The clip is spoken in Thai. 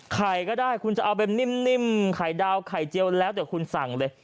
ไข่ก็ได้คุณจะเอาเป็นนิ่มไข่ดาวไข่เจียวแล้วแต่คุณสั่งเลย